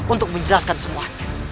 untuk menjelaskan semuanya